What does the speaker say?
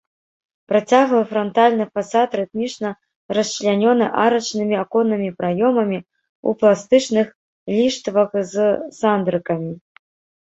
Працяглы франтальны фасад рытмічна расчлянёны арачнымі аконнымі праёмамі ў пластычных ліштвах з сандрыкамі.